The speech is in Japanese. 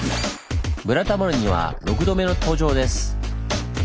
「ブラタモリ」には６度目の登場です。